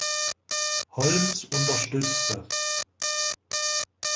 Holmes" unterstützte.